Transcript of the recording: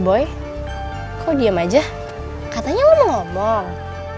boy kok diam aja katanya lo mau ngomong